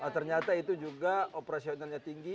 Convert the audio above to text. ternyata itu juga operasionalnya tinggi